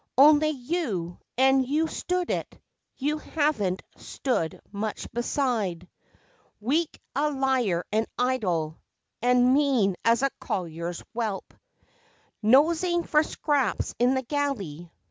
Only you, an' you stood it; you haven't stood much beside Weak, a liar, and idle, and mean as a collier's whelp Nosing for scraps in the galley.